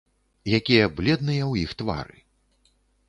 Якія бледныя ў іх твары.